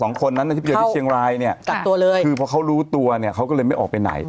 แต่๒คนนั้นที่เจอที่เชียงรายเนี่ยคือเพราะเขารู้ตัวเนี่ยเขาก็เลยไม่ออกไปไหน